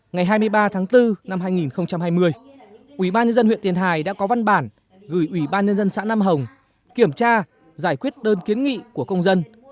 ngày hai mươi ba tháng bốn năm hai nghìn hai mươi ubnd huyện tiền hải đã có văn bản gửi ủy ban nhân dân xã nam hồng kiểm tra giải quyết đơn kiến nghị của công dân